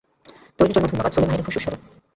তারির জন্য ধন্যবাদ, সুলেমান এটা খুবই সুস্বাদু।